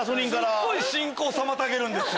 すごい進行を妨げるんですよ。